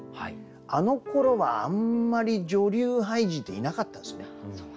あのころはあんまり女流俳人っていなかったんですね。